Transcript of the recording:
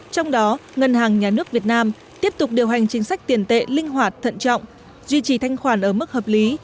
trong đó ngân hàng nhà nước việt nam tiếp tục điều hành chính sách tiền tệ linh hoạt thận trọng duy trì thanh khoản ở mức hợp lý